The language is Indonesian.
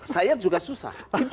saya juga susah